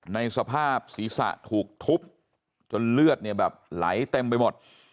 ในสภาพศีรษะถูกทุบจนเลือดเนี่ยแบบไหลเต็มไปหมด